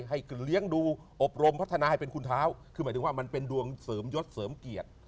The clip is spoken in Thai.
ให้เลี้ยงดูอบรมพัฒนาให้เป็นคุณเท้าคือหมายถึงว่ามันเป็นดวงเสริมยศเสริมเกียรติ